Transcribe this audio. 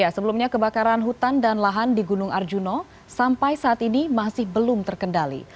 sebelumnya kebakaran hutan dan lahan di gunung arjuna sampai saat ini masih belum terkendali